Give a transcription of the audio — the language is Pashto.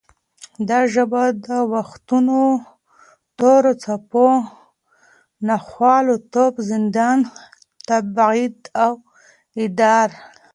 دا ژبه د وختونو تورو څپو، ناخوالو، توپ، زندان، تبعید او دار